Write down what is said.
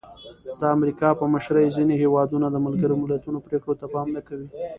د امریکا په مشرۍ ځینې هېوادونه د ملګرو ملتونو پرېکړو ته پام نه کوي.